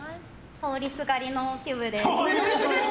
通りすがりのＱＷＶです。